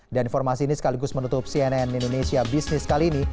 dan informasi ini sekaligus menutup cnn indonesia bisnis kali ini